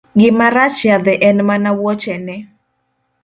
Gima rach yadhe en mana wuochene.